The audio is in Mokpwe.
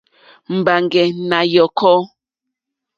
Mbàŋɡɛ̀ nà yɔ̀kɔ́.